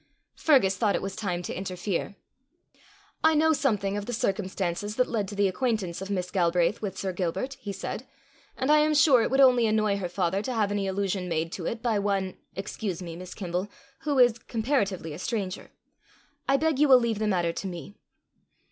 Fergus thought it was time to interfere. "I know something of the circumstances that led to the acquaintance of Miss Galbraith with Sir Gilbert," he said, "and I am sure it would only annoy her father to have any allusion made to it by one excuse me, Miss Kimble who is comparatively a stranger. I beg you will leave the matter to me."